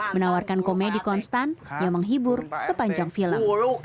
menawarkan komedi konstan yang menghibur sepanjang film